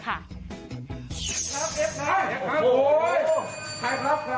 ครับเอฟมากโอ้โหใครครับใครใคร